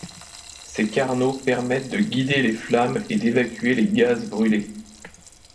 Ces carneaux permettent de guider les flammes et d'évacuer les gaz brulés.